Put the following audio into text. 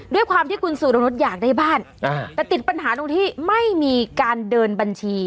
ด้วยความที่คุณสุรนุษย์อยากได้บ้านแต่ติดปัญหาตรงที่ไม่มีการเดินบัญชี